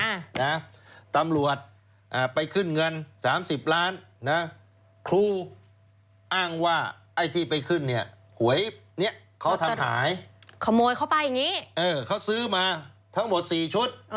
นะตำรวจอ่าไปขึ้นเงินสามสิบล้านนะครูอ้างว่าไอ้ที่ไปขึ้นเนี่ยหวยเนี้ยเขาทำหายขโมยเข้าไปอย่างงี้เออเขาซื้อมาทั้งหมดสี่ชุด